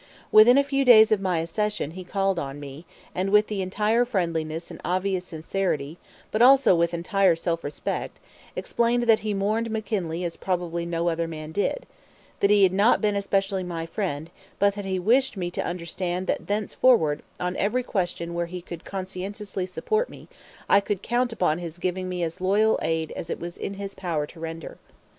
Within a few days of my accession he called on me, and with entire friendliness and obvious sincerity, but also with entire self respect, explained that he mourned McKinley as probably no other man did; that he had not been especially my friend, but that he wished me to understand that thenceforward, on every question where he could conscientiously support me, I could count upon his giving me as loyal aid as it was in his power to render.